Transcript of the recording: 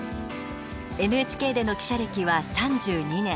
ＮＨＫでの記者歴は３２年。